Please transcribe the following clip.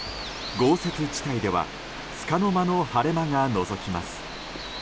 豪雪地帯ではつかの間の晴れ間がのぞきます。